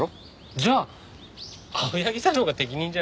じゃあ青柳さんのほうが適任じゃ。